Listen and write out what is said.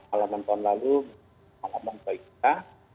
alaman tahun lalu alaman baik kita